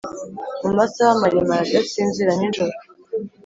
mumasaha maremare, adasinzira nijoro,